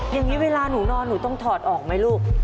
อย่างนี้เวลาหนูนอนหนูต้องถอดออกไหมลูก